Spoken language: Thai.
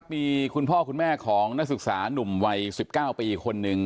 มีคุณพ่อคุณแม่ของนักศึกษานุ่มวัย๑๙ปีคนหนึ่ง